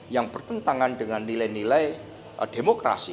yang bertentangan dengan nilai nilai demokrasi